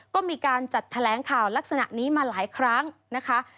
ก็มีการจัดแถลงข่าวลักษณะนี้มาหลายครั้งนะคะ